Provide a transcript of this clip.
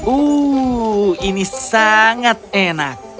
uh ini sangat enak